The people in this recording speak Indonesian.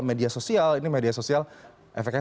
media sosial ini media sosial efeknya